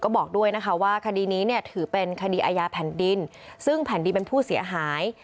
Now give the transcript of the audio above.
ก็บอกด้วยนะคะว่าคดีนี้เนี่ยถือเป็นคดีอาญาแผ่นดินซึ่งแผ่นดินเป็นผู้เสียหาย